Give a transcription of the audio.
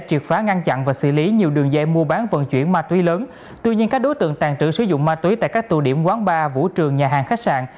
tuy nhiên các đối tượng tàn trữ sử dụng ma túy tại các tù điểm quán bar vũ trường nhà hàng khách sạn